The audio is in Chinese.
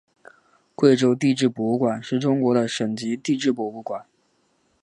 贵州地质博物馆是中国的省级地质博物馆。